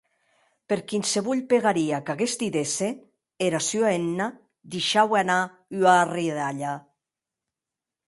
Per quinsevolh pegaria qu’aguest didesse, era sua hemna deishaue anar ua arridalhada.